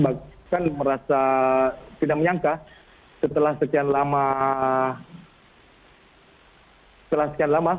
bahkan merasa tidak menyangka setelah sekian lama